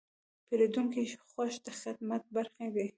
د پیرودونکي خوښي د خدمت بری دی.